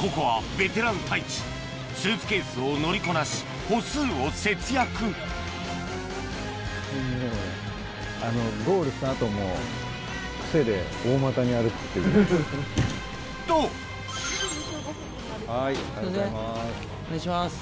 ここはベテラン太一スーツケースを乗りこなし歩数を節約とはいありがとうございます。